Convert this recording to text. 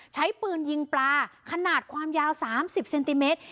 ใช้ปืนยิงปลาขนาดความยาว๓๐เซนติเมตร